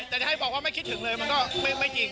แต่จะให้บอกว่าไม่คิดถึงเลยมันก็ไม่จริง